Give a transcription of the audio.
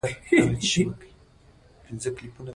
تاریخ د خپل ولس د خپلواکۍ لامل دی.